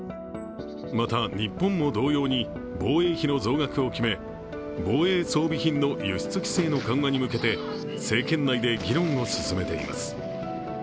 また、日本も同様に防衛費の増額を決め防衛装備品の輸出規制の緩和に向けて政権内で議論を進めています。